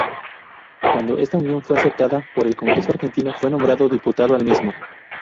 Cuando esta unión fue aceptada por el Congreso Argentino, fue nombrado diputado al mismo.